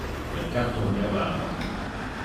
Le catto miaulava.